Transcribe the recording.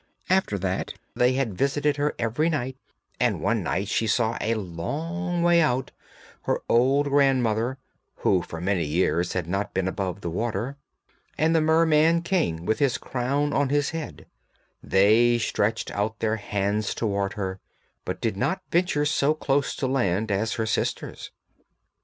After that they visited her every night, and one night she saw, a long way out, her old grandmother (who for many years had not been above the water), and the Merman King with his crown on his head; they stretched out their hands towards her, but did not venture so close to land as her sisters.